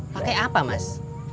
pakai apa mas